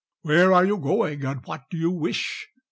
"Where are you going, and what do you wish?"